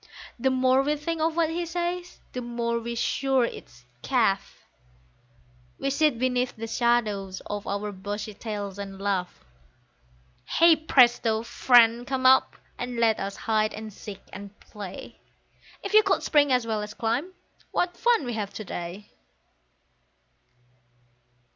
The more we think of what he says, the more we're sure it's "chaff," We sit beneath the shadow of our bushy tails and laugh; Hey, presto! Friend, come up, and let us hide and seek and play, If you could spring as well as climb, what fun we'd have to day!